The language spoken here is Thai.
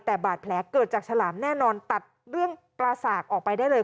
แต่บาดแผลเกิดจากฉลามแน่นอนตัดเรื่องปลาสากออกไปได้เลย